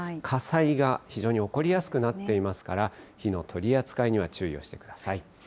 火災が非常に起こりやすくなっていますから、火の取り扱いには注意をしてください。